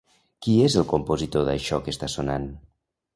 Qui és el compositor d'això que està sonant?